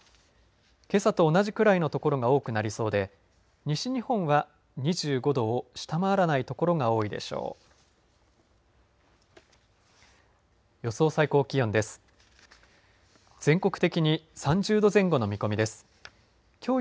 けさと同じくらいの所が多くなりそうで西日本は２５度を下回らない所が多いでしょう。